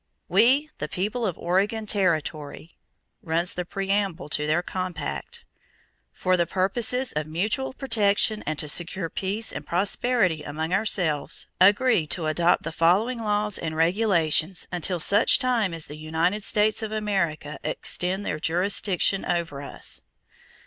"We, the people of Oregon territory," runs the preamble to their compact, "for the purposes of mutual protection and to secure peace and prosperity among ourselves, agree to adopt the following laws and regulations until such time as the United States of America extend their jurisdiction over us."